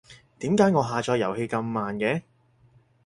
點解我下載遊戲咁慢嘅？